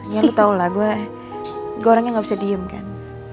ya aku tau lah gue orangnya gak bisa diem kan